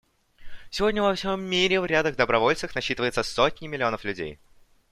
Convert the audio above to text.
Сегодня во всем мире в рядах добровольцев насчитывается сотни миллионов людей.